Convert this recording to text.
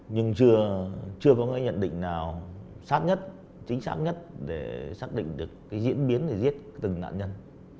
nhưng chưa có cái nhận định nào sát nhất chính xác nhất để xác định được cái diễn biến để giết từng nạn nhân